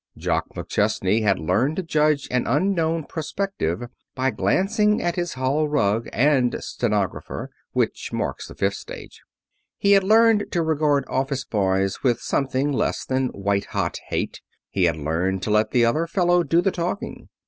Jock McChesney had learned to judge an unknown prospective by glancing at his hall rug and stenographer, which marks the fifth stage. He had learned to regard office boys with something less than white hot hate. He had learned to let the other fellow do the talking.